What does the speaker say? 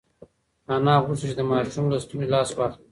انا غوښتل چې د ماشوم له ستوني لاس واخلي.